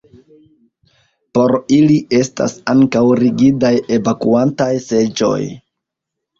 Por ili estas ankaŭ rigidaj evakuantaj seĝoj.